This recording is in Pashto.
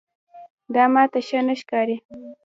دا ماته ښه نه ښکاري.